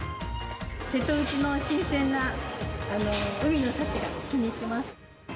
瀬戸内の新鮮な海の幸が気に入ってます。